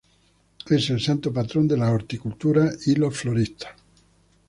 Es el santo patrón de la horticultura y los floristas.